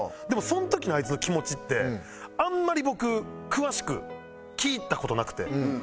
でもその時のあいつの気持ちってあんまり僕詳しく聞いた事なくて。